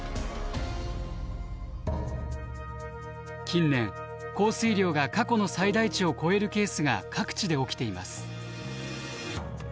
近年降水量が過去の最大値を超えるケースが各地で起きています。